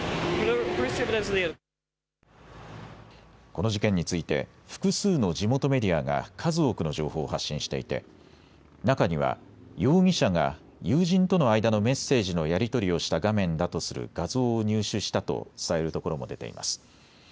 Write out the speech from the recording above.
この事件について複数の地元メディアが数多くの情報を発信していて中には容疑者が友人との間のメッセージのやり取りをした画面だとする画像を入手したと伝えるところも出ています。